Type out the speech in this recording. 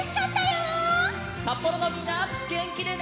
さっぽろのみんなげんきでね！